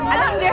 ada yang jauh